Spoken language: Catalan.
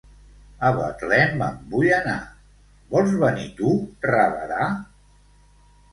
A Betlem me'n vull anar, vols venir tu, rabadà?